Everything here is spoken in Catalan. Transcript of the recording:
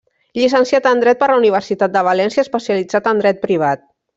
Llicenciat en dret per la Universitat de València, especialitzat en dret privat.